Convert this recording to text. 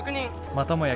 またもや